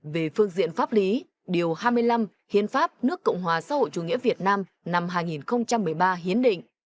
về phương diện pháp lý điều hai mươi năm hiến pháp nước cộng hòa xã hội chủ nghĩa việt nam năm hai nghìn một mươi ba hiến định